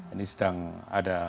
ini sedang ada